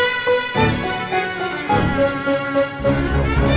aku yang gak pernah penyantik seperti ini